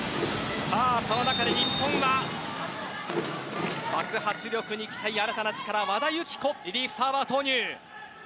その中で日本は爆発力に期待新たな力、和田由紀子リリーフサーバー投入です。